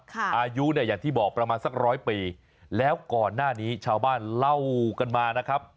อายุเนี่ยอย่างที่บอกประมาณสักร้อยปีแล้วก่อนหน้านี้ชาวบ้านเล่ากันมานะครับ